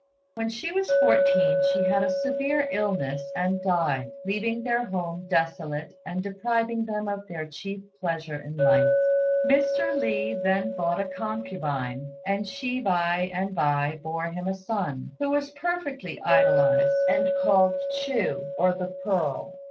When she was fourteen she had a severe illness and died, leaving their home desolate and depriving them of their chief pleasure in life. Mr. Li then bought a concubine, and she by and by bore him a son, who was perfectly idolised, and called Chu, or the Pearl.